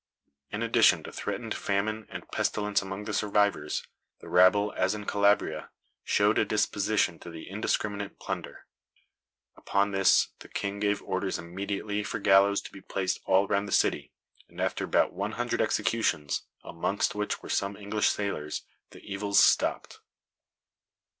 In addition to threatened famine and pestilence among the survivors, the rabble, as in Calabria, showed a disposition to indiscriminate plunder. Upon this "the King gave orders immediately for gallows to be placed all round the city, and after about one hundred executions, amongst which were some English sailors, the evils stopped."